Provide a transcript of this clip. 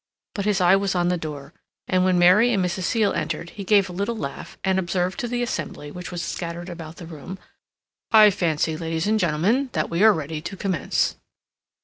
But his eye was on the door, and when Mary and Mrs. Seal entered, he gave a little laugh and observed to the assembly which was scattered about the room: "I fancy, ladies and gentlemen, that we are ready to commence."